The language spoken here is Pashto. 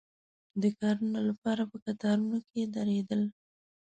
د کارونو لپاره په کتارونو کې درېدل.